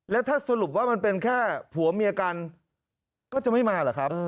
แล้วถ้าสรุปว่ามันเป็นแค่ผัวเมียกันก็จะไม่มาเหรอครับ